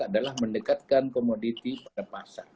adalah mendekatkan komoditi pada pasar